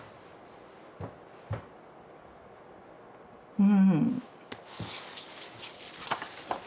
うん。